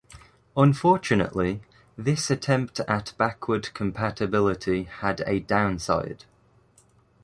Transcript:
Unfortunately this attempt at backward compatibility had a downside.